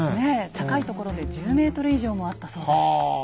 高いところで１０ｍ以上もあったそうです。